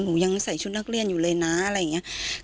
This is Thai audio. หนูยังใส่ชุดนักเรียนอยู่เลยนะอะไรอย่างนี้